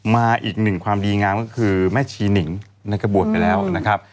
มาอีกหนึ่งความดีงามก็คือแม่ชีหนิงในกระบวชไปแล้วนะครับ